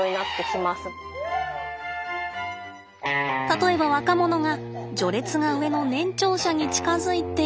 例えば若者が序列が上の年長者に近づいて。